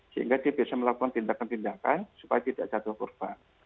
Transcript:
sehingga dia bisa melakukan tindakan tindakan supaya tidak jatuh korban